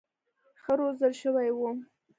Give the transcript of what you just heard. ښه روزل شوي وو.